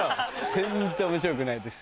全然面白くないです。